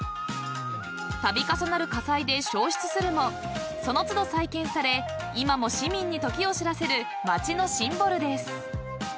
［度重なる火災で消失するもその都度再建され今も市民に時を知らせる町のシンボルです］